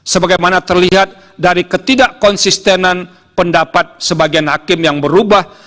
sebagaimana terlihat dari ketidakkonsistenan pendapat sebagian hakim yang berubah